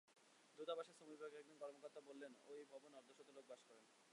দূতাবাসের শ্রমবিভাগের এক কর্মকর্তা বলেন, ওই ভবনে অর্ধশত লোক বাস করেন।